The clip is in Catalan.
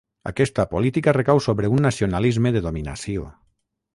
Aquesta política recau sobre un nacionalisme de dominació.